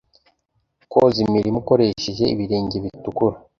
Kwoza imirima ukoresheje ibirenge bitukura,